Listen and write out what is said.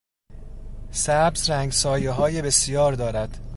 سبز رنگسایههای بسیار دارد.